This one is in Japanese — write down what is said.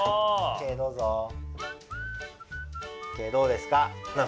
ケイどうですか？